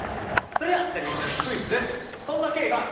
それではてれび戦士クイズです。